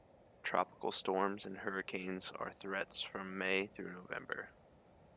Tropical storms and hurricanes are threats from May through November.